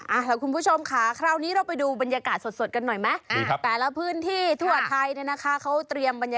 อ่าแล้วคุณผู้ชมค่ะคราวนี้เราไปดูบรรยากาศสดกันหน่อยไหม